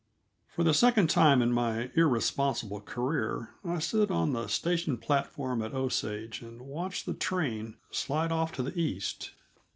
For the second time in my irresponsible career I stood on the station platform at Osage and watched the train slide off to the East.